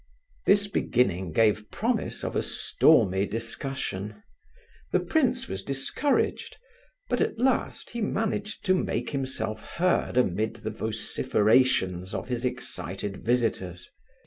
This beginning gave promise of a stormy discussion. The prince was much discouraged, but at last he managed to make himself heard amid the vociferations of his excited visitors.